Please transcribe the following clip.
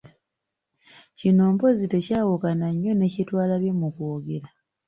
Kino mpozzi tekyawukana nnyo ne kye twalabye mu kwogera.